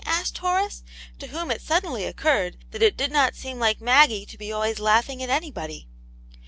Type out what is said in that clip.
'* asked Horace, to whom it suddenly occurred that it did not seem like Maggie to be always laughing at anybody.